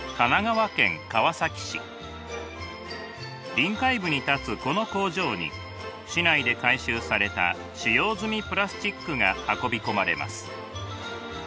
臨海部に立つこの工場に市内で回収された使用済みプラスチックが運び込まれます。